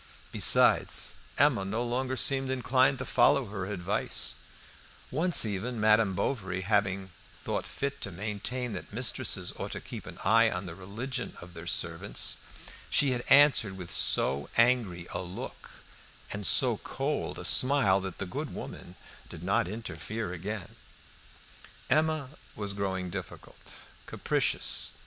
Besides, Emma no longer seemed inclined to follow her advice; once even, Madame Bovary having thought fit to maintain that mistresses ought to keep an eye on the religion of their servants, she had answered with so angry a look and so cold a smile that the good woman did not interfere again. Emma was growing difficult, capricious.